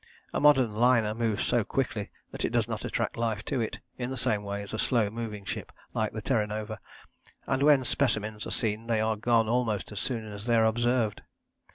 A modern liner moves so quickly that it does not attract life to it in the same way as a slow moving ship like the Terra Nova, and when specimens are seen they are gone almost as soon as they are observed.